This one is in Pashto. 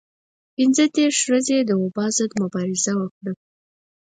پنځه دېرش ورځې یې د وبا ضد مبارزه وکړه.